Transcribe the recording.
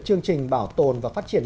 chương trình bảo tồn và phát triển